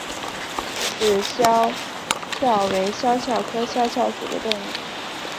脂肖峭为肖峭科肖峭属的动物。